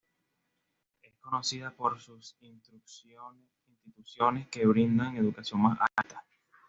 Es conocida por sus instituciones que brindan educación más alta.